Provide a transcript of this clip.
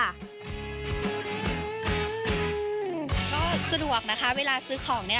ก็สะดวกนะคะเวลาซื้อของเนี่ย